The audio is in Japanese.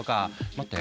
待って。